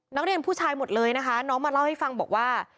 นักเรียนผู้ชายหมดเลยนะคะน้องมาเล่าให้ฟังบอกว่า